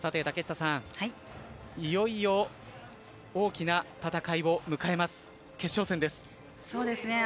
竹下さん、いよいよ大きな戦いを迎えます。